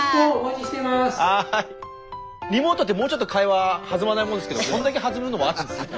リモートってもうちょっと会話弾まないもんですけどこんだけ弾むのもあるんですね。